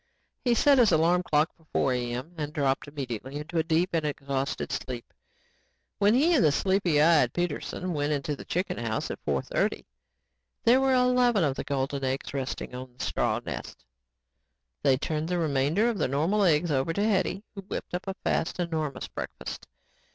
He set his alarm clock for 4:00 a.m. and dropped immediately into a deep and exhausted sleep. When he and the sleepy eyed Peterson went into the chicken house at 4:30, there were eleven of the golden eggs resting on the straw nests. They turned the remainder of the normal eggs over to Hetty who whipped up a fast and enormous breakfast.